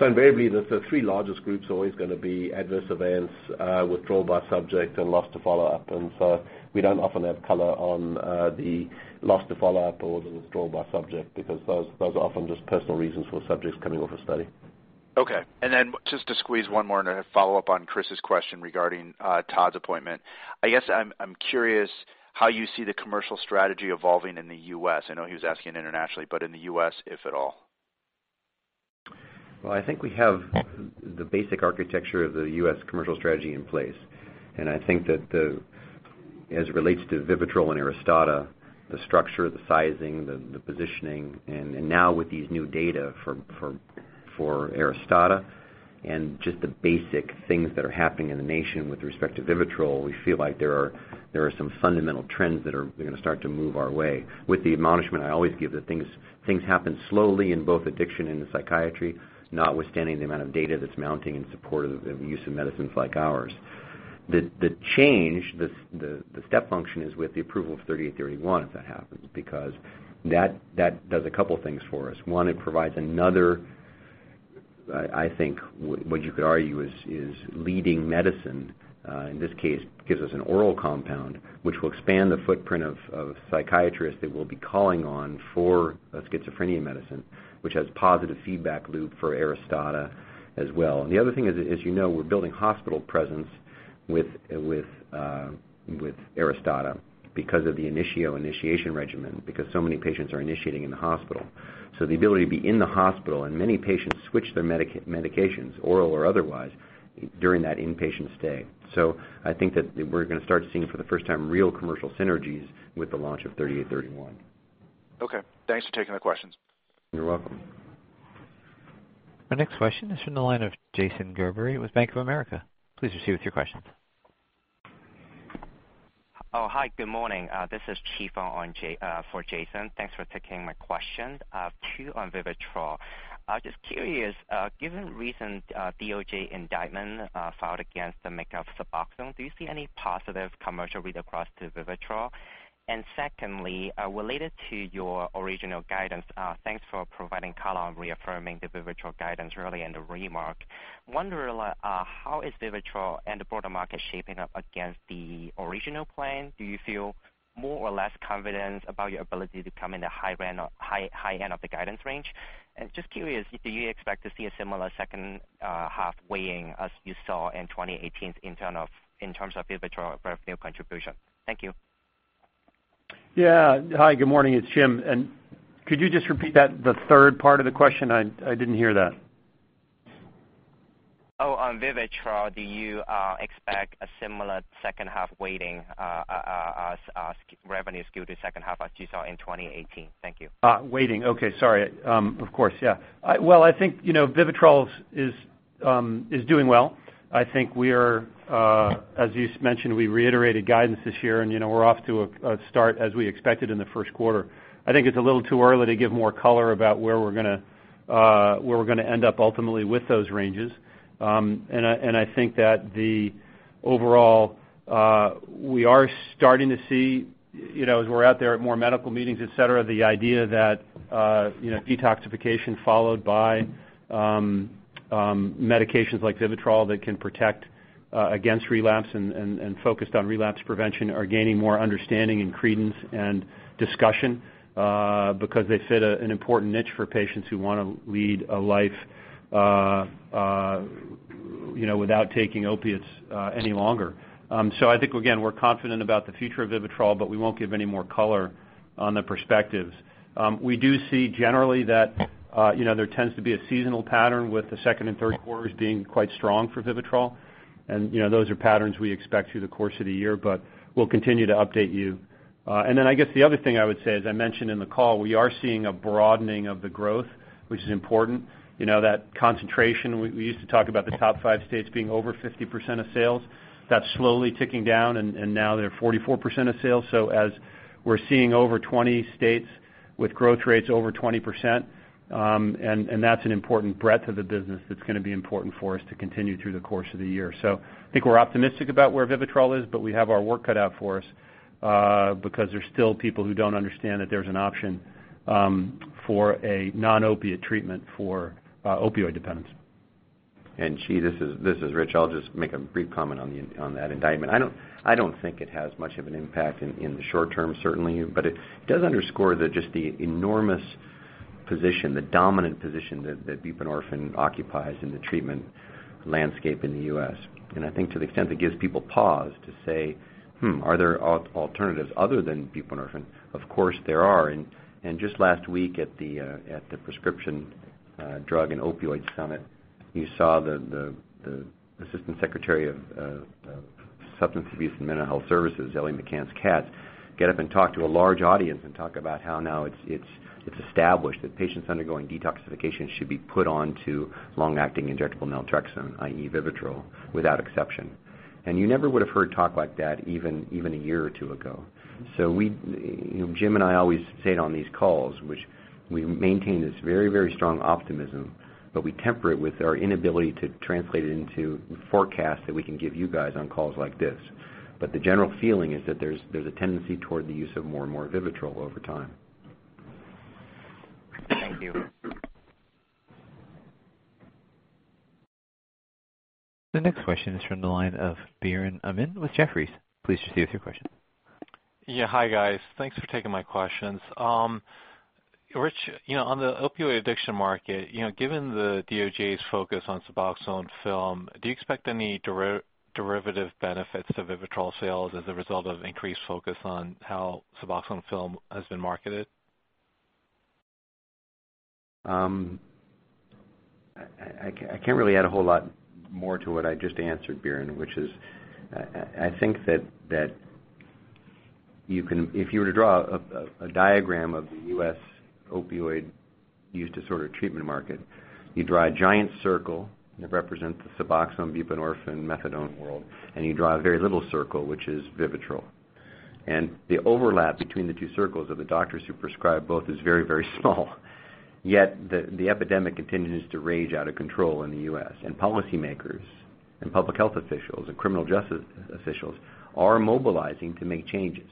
Invariably, the three largest groups are always going to be adverse events, withdrawal by subject, and loss to follow-up. We don't often have color on the loss to follow-up or the withdrawal by subject because those are often just personal reasons for subjects coming off a study. Okay. Just to squeeze one more in a follow-up on Chris's question regarding Todd's appointment. I guess I'm curious how you see the commercial strategy evolving in the U.S. I know he was asking internationally, but in the U.S., if at all. Well, I think we have the basic architecture of the U.S. commercial strategy in place. I think that as it relates to VIVITROL and ARISTADA, the structure, the sizing, the positioning, and now with these new data for ARISTADA and just the basic things that are happening in the nation with respect to VIVITROL, we feel like there are some fundamental trends that are going to start to move our way. With the admonishment I always give that things happen slowly in both addiction and psychiatry, notwithstanding the amount of data that's mounting in support of the use of medicines like ours. The change, the step function is with the approval of ALKS 3831, if that happens, because that does a couple of things for us. One, it provides another, I think, what you could argue is leading medicine. In this case, gives us an oral compound, which will expand the footprint of psychiatrists that we'll be calling on for a schizophrenia medicine, which has positive feedback loop for ARISTADA as well. The other thing is, as you know, we're building hospital presence with ARISTADA because of the INITIO initiation regimen, because so many patients are initiating in the hospital. The ability to be in the hospital and many patients switch their medications, oral or otherwise, during that inpatient stay. I think that we're going to start seeing for the first time real commercial synergies with the launch of ALKS 3831. Okay. Thanks for taking the questions. You're welcome. Our next question is from the line of Jason Gerberry with Bank of America. Please proceed with your questions. Oh, hi, good morning. This is Qi Feng for Jason. Thanks for taking my questions. two on VIVITROL. Just curious, given recent DOJ indictment filed against the make of Suboxone, do you see any positive commercial read-across to VIVITROL? Secondly, related to your original guidance, thanks for providing color on reaffirming the VIVITROL guidance early in the remark. Wondering how is VIVITROL and the broader market shaping up against the original plan. Do you feel more or less confident about your ability to come in the high end of the guidance range? Just curious, do you expect to see a similar second half weighing as you saw in 2018 in terms of VIVITROL revenue contribution? Thank you. Hi, good morning. It's Jim. Could you just repeat that the third part of the question? I didn't hear that. On VIVITROL, do you expect a similar second half weighting as revenues skewed to second half as you saw in 2018? Thank you. Weighting. Okay, sorry. Of course, yeah. I think VIVITROL is doing well. I think we are, as you mentioned, we reiterated guidance this year, and we're off to a start as we expected in the first quarter. I think it's a little too early to give more color about where we're going to end up ultimately with those ranges. I think that overall, we are starting to see, as we're out there at more medical meetings, et cetera, the idea that detoxification followed by medications like VIVITROL that can protect against relapse and focused on relapse prevention are gaining more understanding and credence and discussion, because they fit an important niche for patients who want to lead a life without taking opiates any longer. I think, again, we're confident about the future of VIVITROL, but we won't give any more color on the perspectives. We do see generally that there tends to be a seasonal pattern with the second and third quarters being quite strong for VIVITROL. Those are patterns we expect through the course of the year, but we'll continue to update you. I guess the other thing I would say, as I mentioned in the call, we are seeing a broadening of the growth, which is important. That concentration, we used to talk about the top five states being over 50% of sales. That's slowly ticking down, and now they're 44% of sales. As we're seeing over 20 states with growth rates over 20%, that's an important breadth of the business that's going to be important for us to continue through the course of the year. I think we're optimistic about where VIVITROL is, but we have our work cut out for us, because there's still people who don't understand that there's an option for a non-opiate treatment for opioid dependence. Qi, this is Rich. I'll just make a brief comment on that indictment. I don't think it has much of an impact in the short term, certainly, but it does underscore just the enormous position, the dominant position that buprenorphine occupies in the treatment landscape in the U.S. I think to the extent it gives people pause to say, "Hmm, are there alternatives other than buprenorphine?" Of course, there are. Just last week at the Prescription Drug and Opioid Summit, you saw the Assistant Secretary of Substance Abuse and Mental Health Services, Ellie McCance-Katz, get up and talk to a large audience and talk about how now it's established that patients undergoing detoxification should be put onto long-acting injectable naltrexone, i.e., VIVITROL, without exception. You never would have heard talk like that even a year or two ago. Jim and I always say it on these calls, which we maintain this very strong optimism, but we temper it with our inability to translate it into forecasts that we can give you guys on calls like this. The general feeling is there's a tendency toward the use of more and more VIVITROL over time. Thank you. The next question is from the line of Biren Amin with Jefferies. Please proceed with your question. Yeah. Hi, guys. Thanks for taking my questions. Rich, on the opioid addiction market, given the DOJ's focus on Suboxone Film, do you expect any derivative benefits to VIVITROL sales as a result of increased focus on how Suboxone Film has been marketed? I can't really add a whole lot more to what I just answered, Biren, which is I think that if you were to draw a diagram of the U.S. opioid use disorder treatment market, you draw a giant circle that represents the Suboxone, buprenorphine, methadone world, you draw a very little circle, which is VIVITROL. The overlap between the two circles of the doctors who prescribe both is very small. Yet the epidemic continues to rage out of control in the U.S., policymakers and public health officials and criminal justice officials are mobilizing to make changes.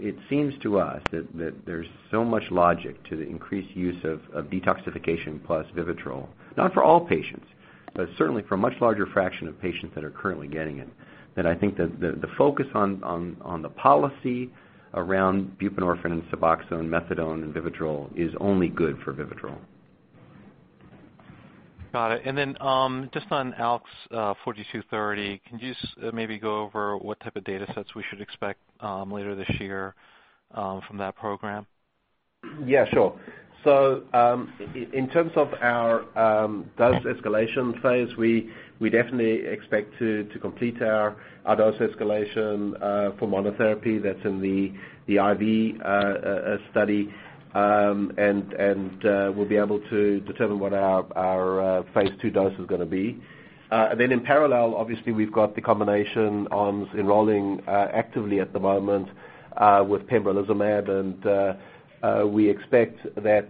It seems to us that there's so much logic to the increased use of detoxification plus VIVITROL, not for all patients, but certainly for a much larger fraction of patients that are currently getting it, that I think the focus on the policy around buprenorphine and Suboxone, methadone and VIVITROL is only good for VIVITROL. Got it. Just on ALKS 4230, can you maybe go over what type of data sets we should expect later this year from that program? Yeah, sure. In terms of our dose escalation phase, we definitely expect to complete our dose escalation for monotherapy. That's in the IV study. We'll be able to determine what our phase II dose is going to be. In parallel, obviously, we've got the combination arms enrolling actively at the moment with pembrolizumab, we expect that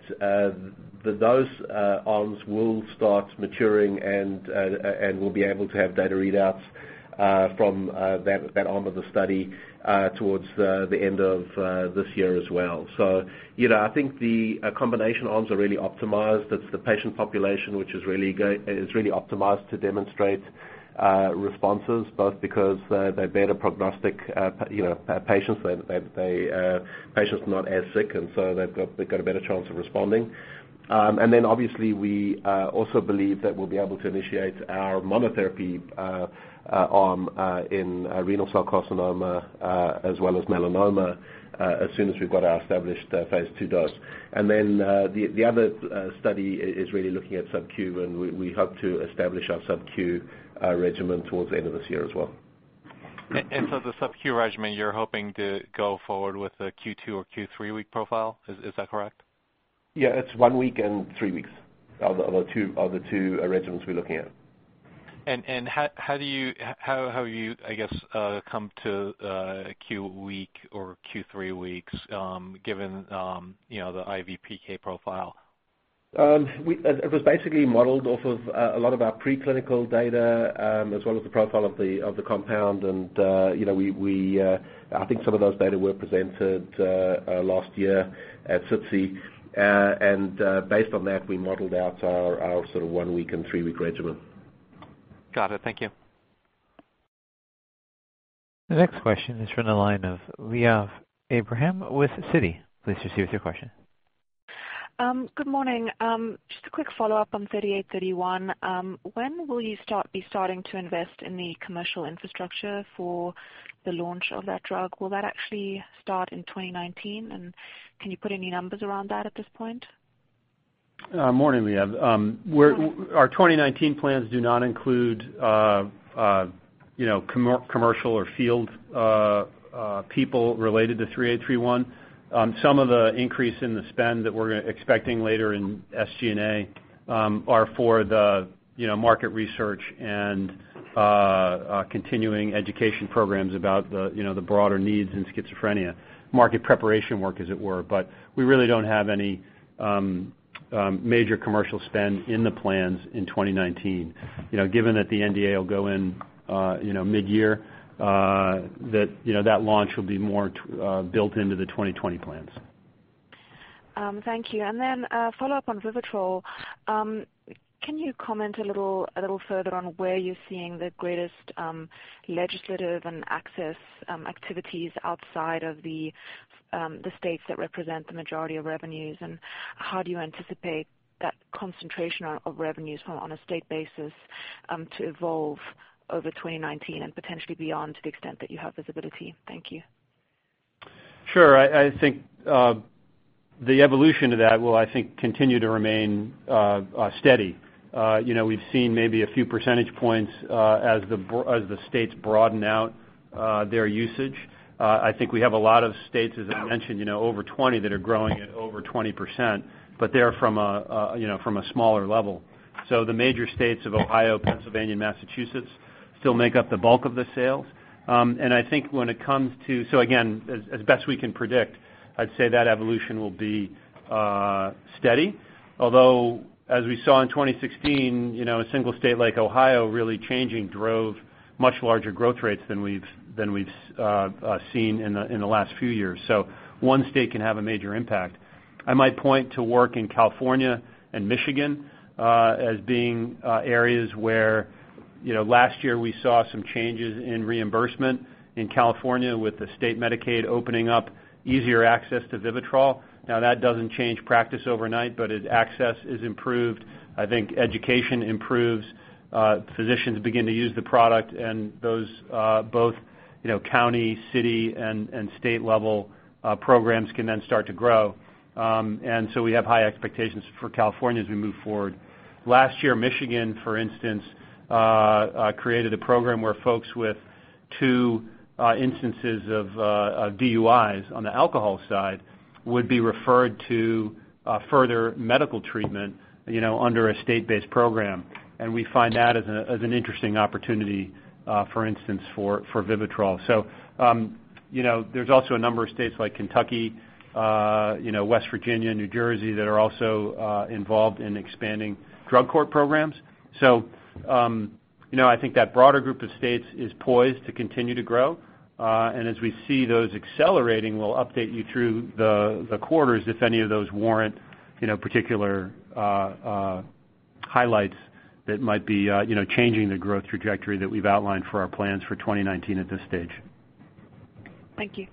those arms will start maturing and we'll be able to have data readouts from that arm of the study towards the end of this year as well. I think the combination arms are really optimized. It's the patient population, which is really optimized to demonstrate responses, both because they're better prognostic patients. Patients not as sick, they've got a better chance of responding. Obviously we also believe that we'll be able to initiate our monotherapy arm in renal cell carcinoma as well as melanoma as soon as we've got our established phase II dose. The other study is really looking at sub-Q, we hope to establish our sub-Q regimen towards the end of this year as well. The sub-Q regimen, you're hoping to go forward with a Q2 or Q3-week profile. Is that correct? it's one week and three weeks are the two regimens we're looking at. How have you, I guess, come to a q week or q3 weeks, given the IVPK profile? It was basically modeled off of a lot of our preclinical data, as well as the profile of the compound. I think some of those data were presented last year at SITC. Based on that, we modeled out our sort of one week and three-week regimen. Got it. Thank you. The next question is from the line of Liav Abraham with Citi. Please proceed with your question. Good morning. Just a quick follow-up on 3831. When will you be starting to invest in the commercial infrastructure for the launch of that drug? Will that actually start in 2019? Can you put any numbers around that at this point? Morning, Lia. Our 2019 plans do not include commercial or field people related to 3831. Some of the increase in the spend that we're expecting later in SG&A are for the market research and continuing education programs about the broader needs in schizophrenia, market preparation work, as it were. We really don't have any major commercial spend in the plans in 2019. Given that the NDA will go in mid-year, that launch will be more built into the 2020 plans. Thank you. A follow-up on VIVITROL. Can you comment a little further on where you're seeing the greatest legislative and access activities outside of the states that represent the majority of revenues, and how do you anticipate that concentration of revenues on a state basis to evolve over 2019 and potentially beyond to the extent that you have visibility? Thank you. Sure. The evolution to that will, I think, continue to remain steady. We've seen maybe a few percentage points as the states broaden out their usage. I think we have a lot of states, as I mentioned, over 20 that are growing at over 20%, but they're from a smaller level. The major states of Ohio, Pennsylvania, and Massachusetts still make up the bulk of the sales. As best we can predict, I'd say that evolution will be steady, although as we saw in 2016, a single state like Ohio really changing drove much larger growth rates than we've seen in the last few years. One state can have a major impact. I might point to work in California and Michigan as being areas where last year we saw some changes in reimbursement in California with the state Medicaid opening up easier access to VIVITROL. That doesn't change practice overnight, but as access is improved, I think education improves, physicians begin to use the product, and those both county, city, and state level programs can then start to grow. We have high expectations for California as we move forward. Last year, Michigan, for instance, created a program where folks with 2 instances of DUIs on the alcohol side would be referred to further medical treatment under a state-based program. We find that as an interesting opportunity, for instance, for VIVITROL. There's also a number of states like Kentucky, West Virginia, New Jersey, that are also involved in expanding drug court programs. I think that broader group of states is poised to continue to grow. As we see those accelerating, we'll update you through the quarters if any of those warrant particular highlights that might be changing the growth trajectory that we've outlined for our plans for 2019 at this stage. Thank you.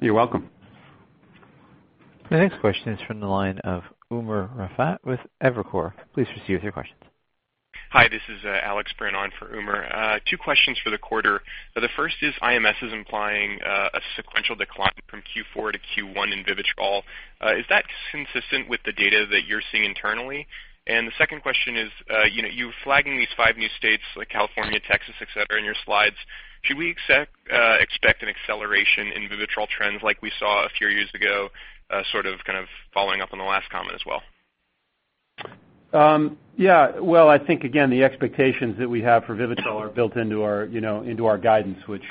You're welcome. The next question is from the line of Umer Raffat with Evercore. Please proceed with your questions. Hi, this is Alex Braun on for Umer. Two questions for the quarter. The first is IMS is implying a sequential decline from Q4 to Q1 in VIVITROL. Is that consistent with the data that you're seeing internally? The second question is, you were flagging these five new states like California, Texas, et cetera, in your slides. Should we expect an acceleration in VIVITROL trends like we saw a few years ago, sort of following up on the last comment as well? Yeah. Well, I think, again, the expectations that we have for VIVITROL are built into our guidance, which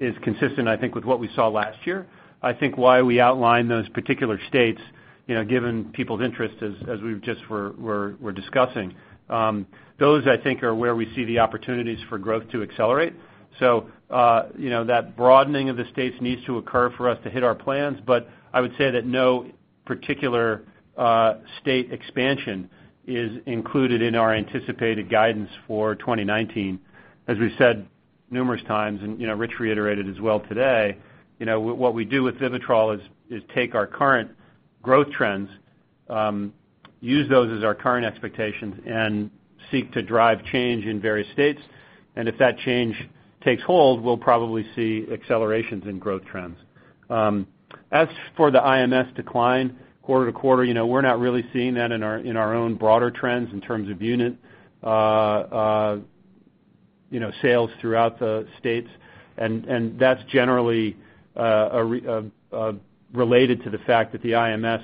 is consistent, I think, with what we saw last year. I think why we outlined those particular states, given people's interest as we just were discussing, those, I think are where we see the opportunities for growth to accelerate. That broadening of the states needs to occur for us to hit our plans. I would say that no particular state expansion is included in our anticipated guidance for 2019. As we said numerous times, and Rich reiterated as well today, what we do with VIVITROL is take our current growth trends, use those as our current expectations, and seek to drive change in various states. If that change takes hold, we'll probably see accelerations in growth trends. As for the IMS decline quarter-to-quarter, we're not really seeing that in our own broader trends in terms of unit sales throughout the States. That's generally related to the fact that the IMS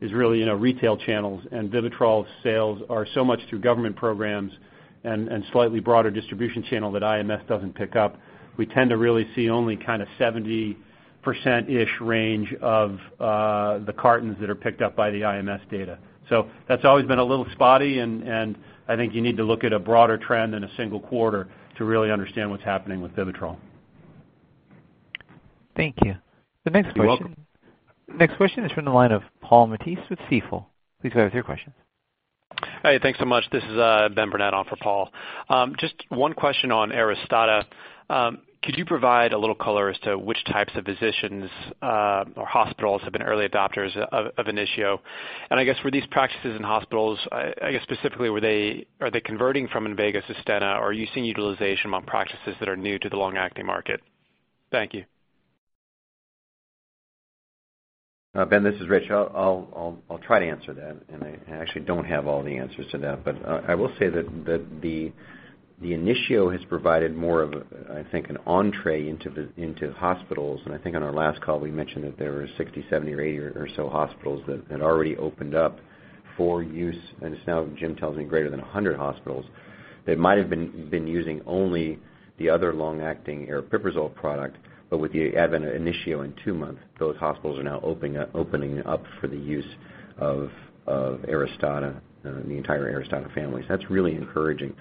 is really in our retail channels, and VIVITROL sales are so much through government programs and slightly broader distribution channel that IMS doesn't pick up. We tend to really see only 70%-ish range of the cartons that are picked up by the IMS data. That's always been a little spotty, and I think you need to look at a broader trend in a single quarter to really understand what's happening with VIVITROL. Thank you. You're welcome. The next question is from the line of Paul Matteis with Stifel. Please go ahead with your questions. Hi, thanks so much. This is Ben Burnett on for Paul. Just one question on ARISTADA. Could you provide a little color as to which types of physicians or hospitals have been early adopters of INITIO? I guess, were these practices in hospitals, I guess specifically, are they converting from INVEGA SUSTENNA, or are you seeing utilization among practices that are new to the long-acting market? Thank you. Ben, this is Rich. I'll try to answer that. I actually don't have all the answers to that, but I will say that the INITIO has provided more of, I think, an entrée into hospitals. I think on our last call, we mentioned that there were 60, 70 or 80 or so hospitals that had already opened up for use. It's now, Jim tells me, greater than 100 hospitals that might have been using only the other long-acting aripiprazole product. With the advent of INITIO in two months, those hospitals are now opening up for the use of ARISTADA and the entire ARISTADA family. That's really encouraging.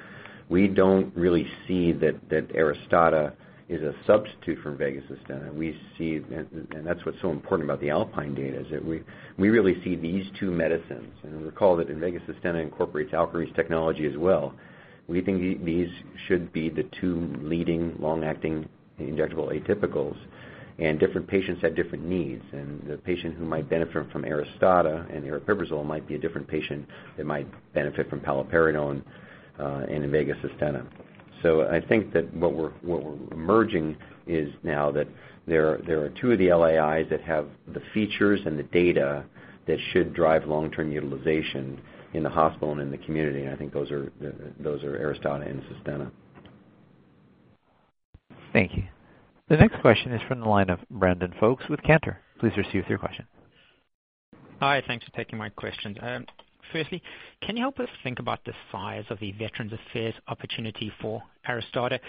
We don't really see that ARISTADA is a substitute for INVEGA SUSTENNA. That's what's so important about the ALPINE data, is that we really see these two medicines. Recall that INVEGA SUSTENNA incorporates Alkermes technology as well. We think these should be the two leading long-acting injectable atypicals, different patients have different needs. The patient who might benefit from ARISTADA and aripiprazole might be a different patient that might benefit from paliperidone and INVEGA SUSTENNA. I think that what we're emerging is now that there are two of the LAIs that have the features and the data that should drive long-term utilization in the hospital and in the community, and I think those are ARISTADA and Sustenna. Thank you. The next question is from the line of Brandon Folkes with Cantor. Please proceed with your question. Hi, thanks for taking my questions. Firstly, can you help us think about the size of the Veterans Affairs opportunity for ARISTADA?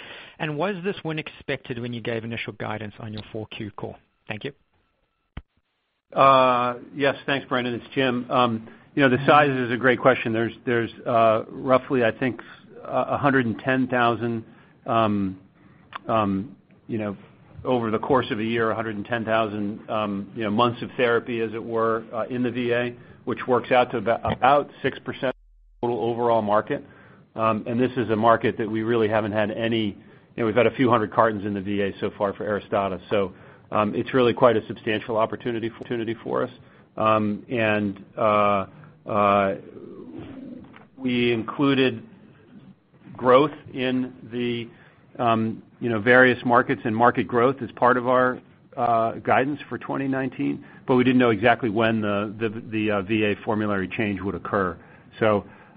Was this win expected when you gave initial guidance on your 4Q call? Thank you. Yes. Thanks, Brandon. It's Jim. The size is a great question. There's roughly, I think, over the course of a year, 110,000 months of therapy, as it were, in the VA, which works out to about 6% total overall market. We've had a few hundred cartons in the VA so far for ARISTADA. It's really quite a substantial opportunity for us. We included growth in the various markets and market growth as part of our guidance for 2019, but we didn't know exactly when the VA formulary change would occur.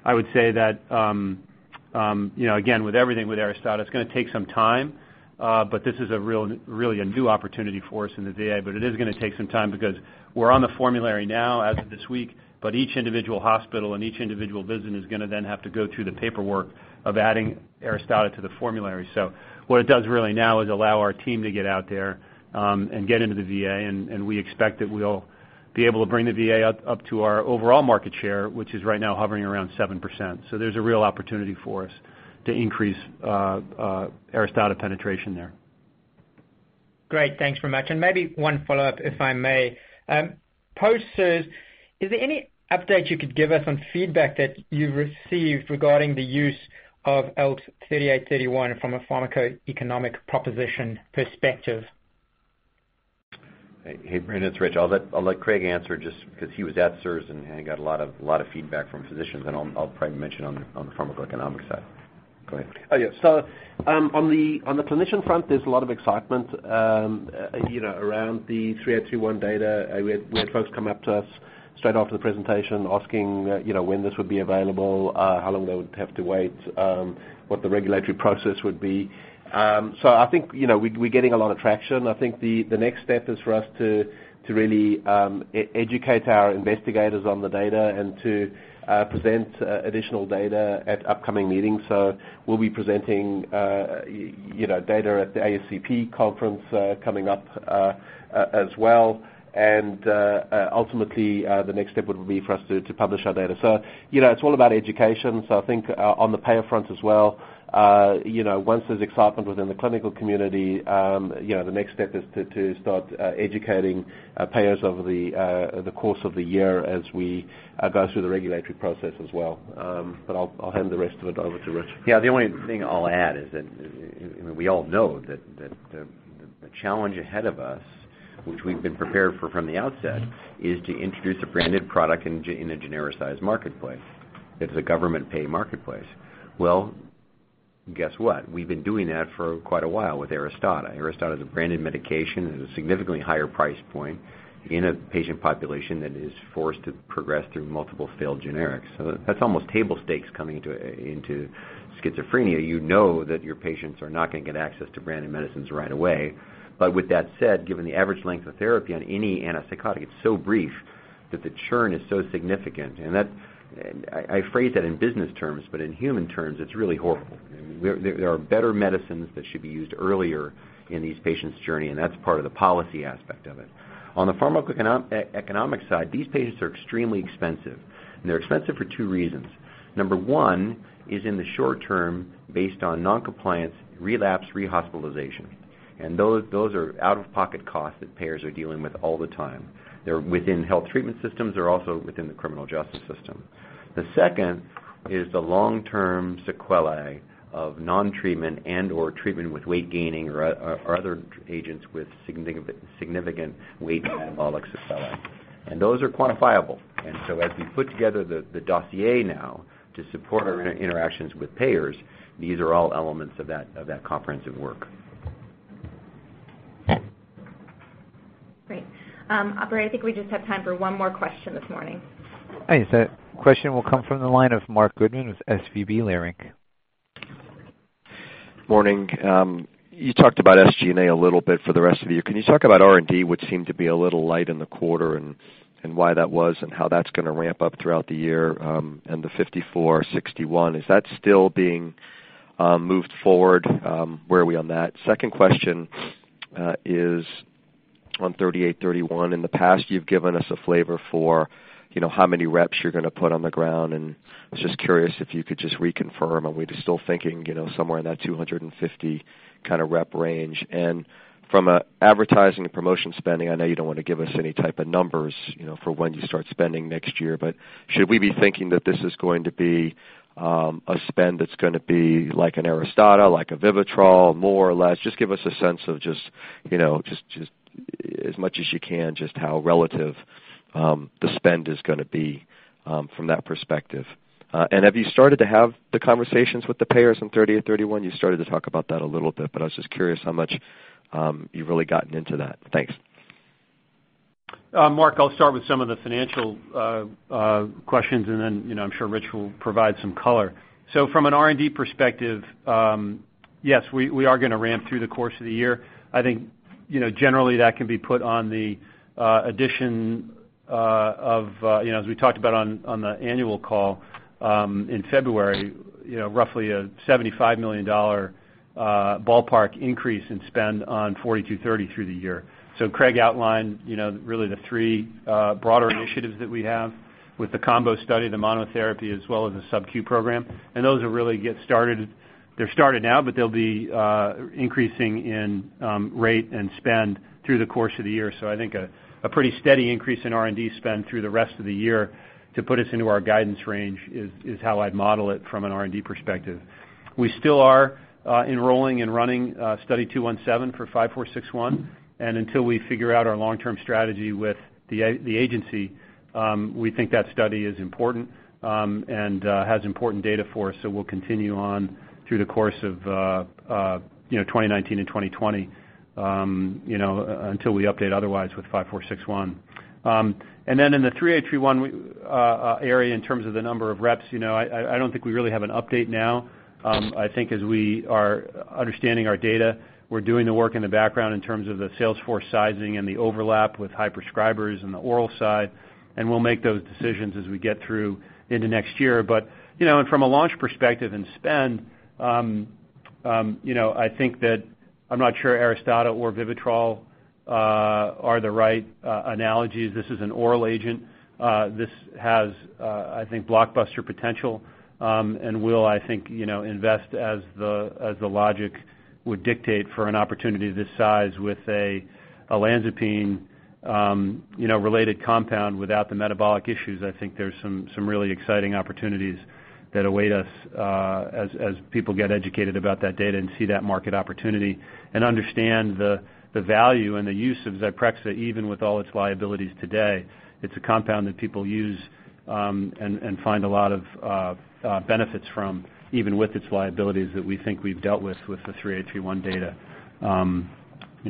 I would say that again, with everything with ARISTADA, it's going to take some time but this is really a new opportunity for us in the VA. It is going to take some time because we're on the formulary now as of this week, but each individual hospital and each individual business is going to then have to go through the paperwork of adding ARISTADA to the formulary. What it does really now is allow our team to get out there and get into the VA, and we expect that we'll be able to bring the VA up to our overall market share, which is right now hovering around 7%. There's a real opportunity for us to increase ARISTADA penetration there. Great. Thanks very much. Maybe one follow-up, if I may. Post SIRS, is there any update you could give us on feedback that you've received regarding the use of ALKS 3831 from a pharmacoeconomic proposition perspective? Hey, Brandon, it's Richard. I'll let Craig answer just because he was at SIRS and got a lot of feedback from physicians, and I'll probably mention on the pharmacoeconomic side. Go ahead. Oh, yeah. On the clinician front, there's a lot of excitement around the ALKS 3831 data. We had folks come up to us straight after the presentation asking when this would be available, how long they would have to wait, what the regulatory process would be. I think we're getting a lot of traction. I think the next step is for us to really educate our investigators on the data and to present additional data at upcoming meetings. We'll be presenting data at the ASCP conference coming up as well. Ultimately, the next step would be for us to publish our data. It's all about education. I think on the payer front as well once there's excitement within the clinical community the next step is to start educating payers over the course of the year as we go through the regulatory process as well. I'll hand the rest of it over to Richard. Yeah, the only thing I'll add is that we all know that the challenge ahead of us, which we've been prepared for from the outset, is to introduce a branded product in a genericized marketplace. It's a government-paid marketplace. Guess what? We've been doing that for quite a while with ARISTADA. ARISTADA is a branded medication at a significantly higher price point in a patient population that is forced to progress through multiple failed generics. That's almost table stakes coming into schizophrenia. You know that your patients are not going to get access to branded medicines right away. With that said, given the average length of therapy on any antipsychotic, it's so brief that the churn is so significant. I phrase that in business terms, but in human terms, it's really horrible. There are better medicines that should be used earlier in these patients' journey, and that's part of the policy aspect of it. On the pharmacoeconomic side, these patients are extremely expensive, and they're expensive for two reasons. Number one is in the short term, based on non-compliance, relapse, rehospitalization. Those are out-of-pocket costs that payers are dealing with all the time. They're within health treatment systems, they're also within the criminal justice system. The second is the long-term sequelae of non-treatment and/or treatment with weight gaining or other agents with significant weight metabolic sequelae. Those are quantifiable. As we put together the dossier now to support our interactions with payers, these are all elements of that comprehensive work. Great. Operator, I think we just have time for one more question this morning. Thanks. That question will come from the line of Marc Goodman with SVB Leerink. Morning. You talked about SG&A a little bit for the rest of you. Can you talk about R&D, which seemed to be a little light in the quarter, and why that was and how that's going to ramp up throughout the year? ALKS 5461, is that still being moved forward? Where are we on that? Second question is on ALKS 3831. In the past, you've given us a flavor for how many reps you're going to put on the ground, and I was just curious if you could just reconfirm, are we still thinking somewhere in that 250 rep range? From an advertising and promotion spending, I know you don't want to give us any type of numbers for when you start spending next year, but should we be thinking that this is going to be a spend that's going to be like an ARISTADA, like a VIVITROL, more or less? Just give us a sense of, just as much as you can, just how relative the spend is going to be from that perspective. Have you started to have the conversations with the payers on ALKS 3831? You started to talk about that a little bit, but I was just curious how much you've really gotten into that. Thanks. Marc, I'll start with some of the financial questions, then I'm sure Rich will provide some color. From an R&D perspective, yes, we are going to ramp through the course of the year. I think, generally that can be put on the addition of, as we talked about on the annual call in February, roughly a $75 million ballpark increase in spend on ALKS 4230 through the year. Craig outlined really the three broader initiatives that we have with the combo study, the monotherapy, as well as the sub-Q program. Those will really get started. They're started now, but they'll be increasing in rate and spend through the course of the year. I think a pretty steady increase in R&D spend through the rest of the year to put us into our guidance range is how I'd model it from an R&D perspective. We still are enrolling and running Study 217 for ALKS 5461. Until we figure out our long-term strategy with the agency, we think that study is important and has important data for us. We'll continue on through the course of 2019 and 2020 until we update otherwise with ALKS 5461. In the ALKS 3831 area, in terms of the number of reps, I don't think we really have an update now. I think as we are understanding our data, we're doing the work in the background in terms of the sales force sizing and the overlap with high prescribers in the oral side, and we'll make those decisions as we get through into next year. But from a launch perspective and spend, I'm not sure ARISTADA or VIVITROL are the right analogies. This is an oral agent. This has, I think, blockbuster potential and will, I think, invest as the logic would dictate for an opportunity this size with a olanzapine-related compound without the metabolic issues. I think there's some really exciting opportunities that await us as people get educated about that data and see that market opportunity and understand the value and the use of Zyprexa, even with all its liabilities today. It's a compound that people use and find a lot of benefits from, even with its liabilities that we think we've dealt with the ALKS 3831 data.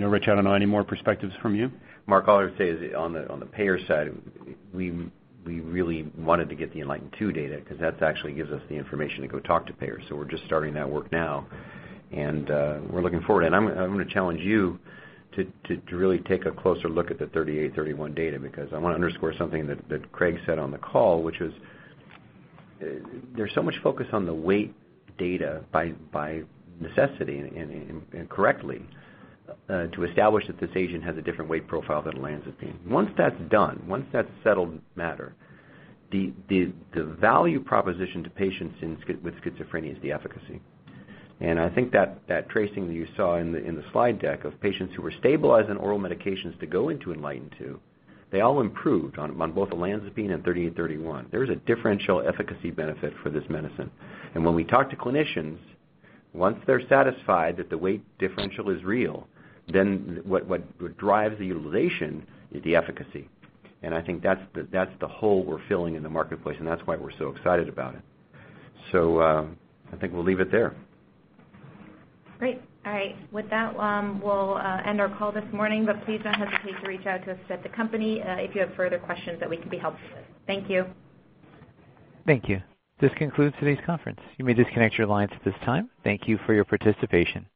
Rich, I don't know, any more perspectives from you? Marc, all I would say is on the payer side, we really wanted to get the ENLIGHTEN-2 data because that actually gives us the information to go talk to payers. We're just starting that work now, and we're looking forward. I'm going to challenge you to really take a closer look at the ALKS 3831 data because I want to underscore something that Craig said on the call, which was there's so much focus on the weight data by necessity, and correctly, to establish that this agent has a different weight profile than olanzapine. Once that's done, once that's settled matter, the value proposition to patients with schizophrenia is the efficacy. I think that tracing that you saw in the slide deck of patients who were stabilized on oral medications to go into ENLIGHTEN-2, they all improved on both olanzapine and ALKS 3831. There's a differential efficacy benefit for this medicine. When we talk to clinicians, once they're satisfied that the weight differential is real, then what drives the utilization is the efficacy. I think that's the hole we're filling in the marketplace, and that's why we're so excited about it. I think we'll leave it there. Great. All right. With that, we'll end our call this morning, but please don't hesitate to reach out to us at the company if you have further questions that we can be helpful with. Thank you. Thank you. This concludes today's conference. You may disconnect your lines at this time. Thank you for your participation.